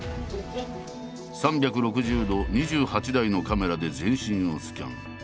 ３６０度２８台のカメラで全身をスキャン。